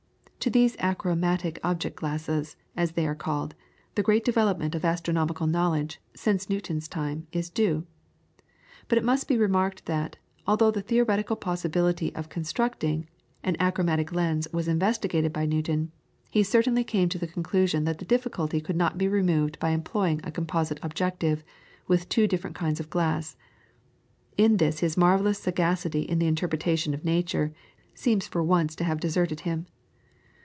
To these achromatic object glasses, as they are called, the great development of astronomical knowledge, since Newton's time, is due. But it must be remarked that, although the theoretical possibility of constructing an achromatic lens was investigated by Newton, he certainly came to the conclusion that the difficulty could not be removed by employing a composite objective, with two different kinds of glass. In this his marvellous sagacity in the interpretation of nature seems for once to have deserted him.